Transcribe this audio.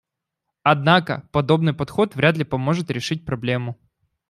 Однако подобный подход вряд ли поможет решить проблему.